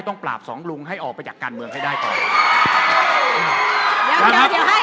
ปราบสองลุงให้ออกไปจากการเมืองให้ได้ก่อน